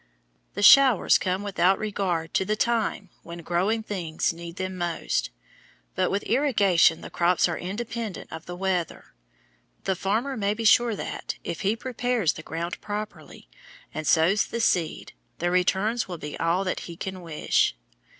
The showers come without regard to the time when growing things need them most, but with irrigation the crops are independent of the weather. The farmer may be sure that, if he prepares the ground properly and sows the seed, the returns will be all that he can wish.